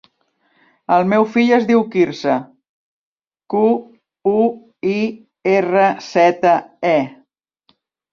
El meu fill es diu Quirze: cu, u, i, erra, zeta, e.